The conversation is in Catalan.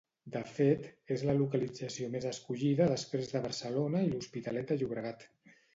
De fet, és la localització més escollida després de Barcelona i l'Hospitalet de Llobregat.